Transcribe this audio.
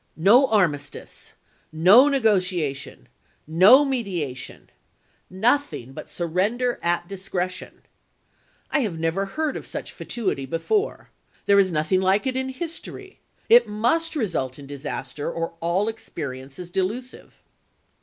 No armistice ! No negotia tion ! No mediation ! Nothing but surrender at discretion ! I never heard of such fatuity before. There is nothing like it in history. It must result in disaster, or all experi ence is delusive.